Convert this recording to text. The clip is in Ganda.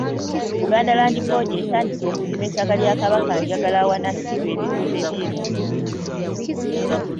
Buganda Land Board etandise okupima ettaka lya Kabakanjagala awanassibwa ebibumbe by’emiziro.